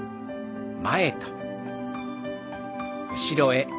後ろへ。